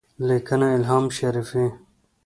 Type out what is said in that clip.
-لیکنه: الهام شریفي